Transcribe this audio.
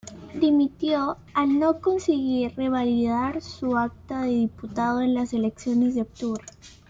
Dimitió al no conseguir revalidar su acta de diputado en las elecciones de octubre.